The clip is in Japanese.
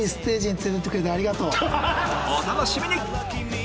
お楽しみに！